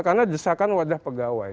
karena desakan wadah pegawai